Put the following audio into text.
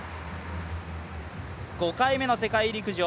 ５回目の世界陸上。